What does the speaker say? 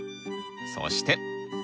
そして！